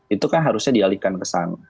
itu kan harusnya dialihkan ke sana